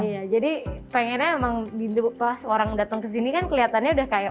iya jadi pengennya emang pas orang datang ke sini kan kelihatannya udah kayak